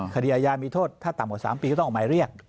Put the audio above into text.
คดีอาญามีโทษถ้าต่ำกว่า๓ปีก็ต้องออกหมายเรียก